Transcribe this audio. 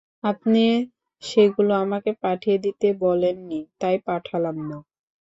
আপনি সেগুলো আমাকে পাঠিয়ে দিতে বলেননি, তাই পাঠালাম না।